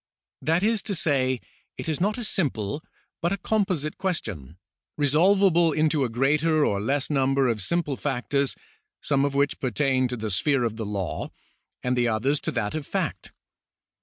That is to say, it is not a simple, but a composite c[uestion, resolvable into a greater or less number of simple factors, some of which pertain to the sphere of the law and the others to that of fact.